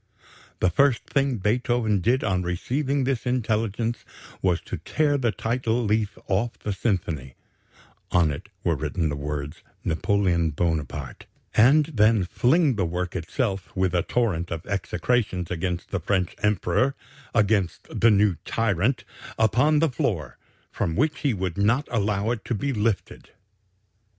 The first thing Beethoven did on receiving this intelligence was to tear the title leaf off the symphony (on it were written the words 'Napoleon Bonaparte') and then fling the work itself, with a torrent of execrations against the French Emperor against the new 'tyrant' upon the floor, from which he would not allow it to be lifted.